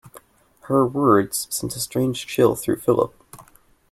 Her words sent a strange chill through Philip.